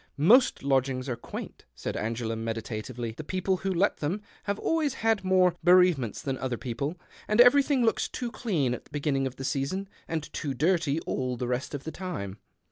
" Most lodgings are quaint," said Angela, meditatively. " The people who let them have always had more bereavements than other people, and everything looks too clean at the beginning of the season and too dirty all the rest of the time.